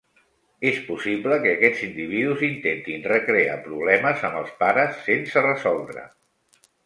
És possible que aquests individus intentin recrear problemes amb els pares sense resoldre.